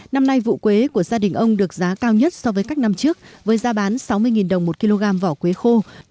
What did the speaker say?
năm nay vụ quế của gia đình ông được giá cao nhất so với các năm trước với giá bán sáu mươi đồng một kg vỏ quế khô